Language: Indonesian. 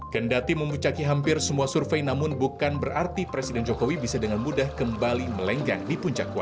kendati memucaki hampir semua survei namun bukan berarti presiden jokowi bisa dengan mudah kembali melenggang di puncak kuasa